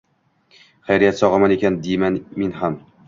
Xayriyat, sogʼ-omon ekan, deyman men ham.